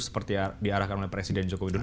seperti yang diarahkan oleh presiden joko widodo